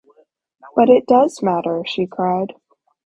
“But it does matter!” she cried.